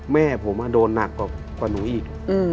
แม่ผมโดนหนักกว่าหนูอีก